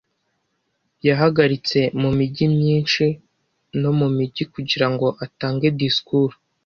Yahagaritse mu mijyi myinshi no mu migi kugira ngo atange disikuru.